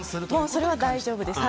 それは大丈夫です。